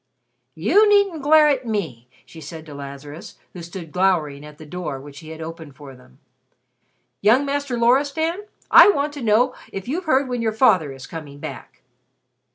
"You needn't glare at me!" she said to Lazarus, who stood glowering at the door which he had opened for them. "Young Master Loristan, I want to know if you've heard when your father is coming back?"